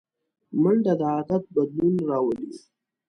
منډه د عادت بدلون راولي